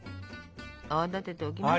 泡立てておきました。